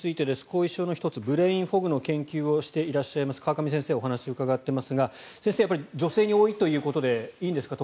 後遺症の１つ、ブレインフォグの研究をしています川上先生、お話を伺っていますが先生、女性に多いということでいいんですか？